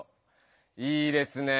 いいですねぇ。